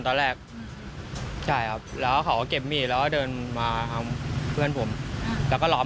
ตอนแรกใช่ครับแล้วเขาก็เก็บมีดแล้วก็เดินมาทำเพื่อนผมแล้วก็ล้อม